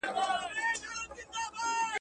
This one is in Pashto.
دغه دوه ډوله څېړني له یو بل سره ډېر توپیر نلري.